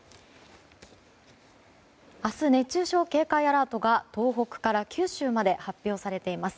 明日、熱中症警戒アラートが東北から九州まで発表されています。